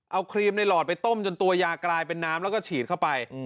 เอาครีมในหลอดไปต้มจนตัวยากลายเป็นน้ำแล้วก็ฉีดเข้าไป